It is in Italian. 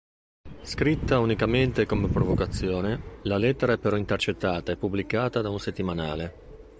Scritta unicamente come provocazione, la lettera è però intercettata e pubblicata da un settimanale.